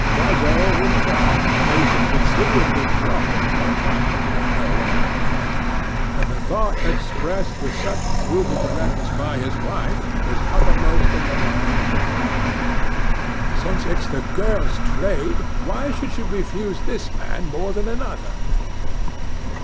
Loiseau in turn made some considerably broader jokes, but no one took offence; and the thought expressed with such brutal directness by his wife was uppermost in the minds of all: "Since it's the girl's trade, why should she refuse this man more than another?"